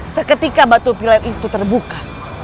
seketika batu pilek itu terbuka